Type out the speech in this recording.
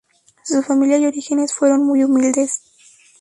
Su familia y orígenes fueron muy humildes.